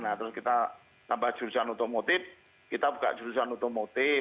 nah terus kita tambah jurusan otomotif kita buka jurusan otomotif